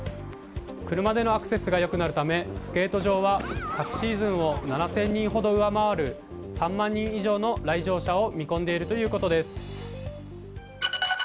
車でのアクセスが良くなるためスケート場は昨シーズンを７０００人ほど上回る３万人以上の来場者を見込んでいるということです。